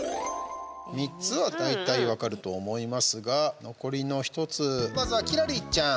３つは大体分かると思いますが残りの１つ、まずは輝星ちゃん。